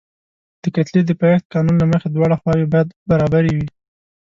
د کتلې د پایښت قانون له مخې دواړه خواوې باید برابرې وي.